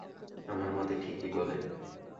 আমার মতে ঠিকই বলে।